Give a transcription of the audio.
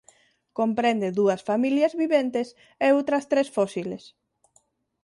Comprende dúas familias viventes e outras tres fósiles.